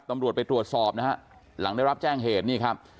ตำรวจไปตรวจสอบนะฮะหลังได้รับแจ้งเหตุนี่ครับ